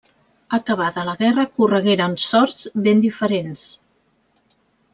Acabada la guerra corregueren sorts ben diferents.